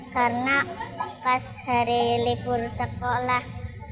karena pas hari libur sekolah